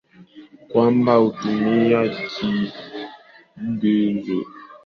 kwamba hutumia kigezo cha msamiati tu bila kuzingatia vipengele vingine vya lugha kama vile